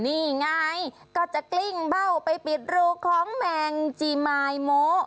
นี่ไงก็จะกลิ้งเบ้าไปปิดรูของแมงจีมายโม